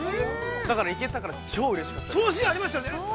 だから、行けたから超うれしかった。